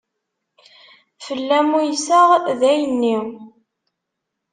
Fell-am uyseɣ dayen-nni.